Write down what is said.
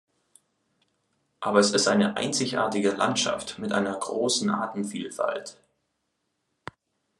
Aber es ist eine einzigartige Landschaft mit einer großen Artenvielfalt.